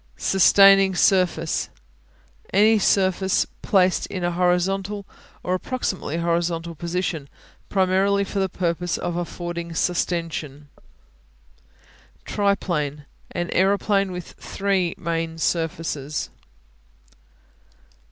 Sustaining Surface Any surface placed in a horizontal or approximately horizontal position, primarily for the purpose of affording sustension. Triplane An aeroplane with three main surfaces.